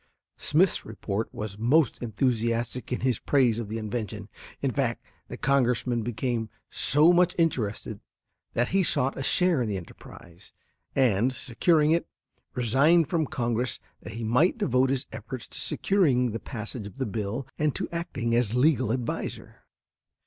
Smith's report was most enthusiastic in his praise of the invention. In fact, the Congressman became so much interested that he sought a share in the enterprise, and, securing it, resigned from Congress that he might devote his efforts to securing the passage of the bill and to acting as legal adviser.